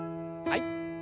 はい。